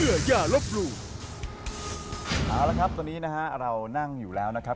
เอาละครับตอนนี้นะฮะเรานั่งอยู่แล้วนะครับ